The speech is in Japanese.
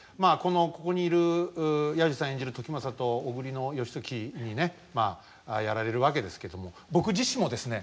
ここにいる彌十さん演じる時政と小栗の義時にねまあやられるわけですけども僕自身もですね